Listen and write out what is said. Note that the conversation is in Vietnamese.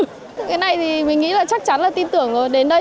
cái này thì mình nghĩ là chắc chắn là tin tưởng đến đây